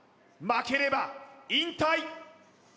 負ければ引退！